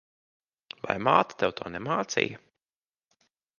Vai māte tev to nemācīja?